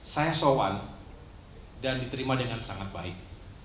saya sowan dan diterima dengan sangat baik